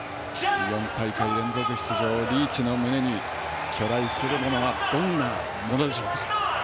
４大会連続出場、リーチの胸に去来するものはどんなものでしょうか。